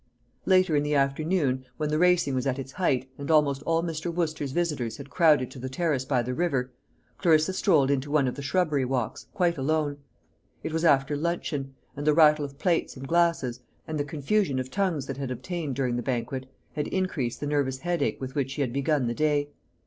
Later in the afternoon, when the racing was at its height, and almost all Mr. Wooster's visitors had crowded to the terrace by the river, Clarissa strolled into one of the shrubbery walks, quite alone. It was after luncheon; and the rattle of plates and glasses, and the confusion of tongues that had obtained during the banquet, had increased the nervous headache with which she had begun the day.